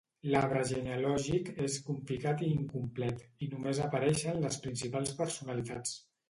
L'arbre genealògic és complicat i incomplet i només apareixen les principals personalitats.